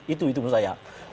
tiga puluh itu menurut saya